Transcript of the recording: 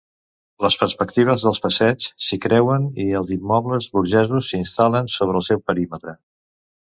Les perspectives dels passeigs s'hi creuen i els immobles burgesos s'instal·len sobre el seu perímetre.